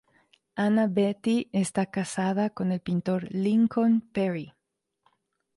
Ann Beattie está casa con el pintor Lincoln Perry.